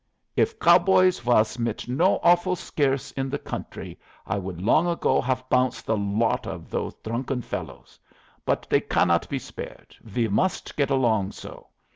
If cow boys was not so offle scarce in the country, I would long ago haf bounce the lot of those drunken fellows. But they cannot be spared; we must get along so.